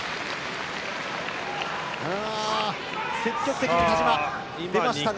積極的に田嶋、出ましたが。